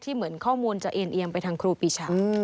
เหมือนข้อมูลจะเอ็นเอียงไปทางครูปีชา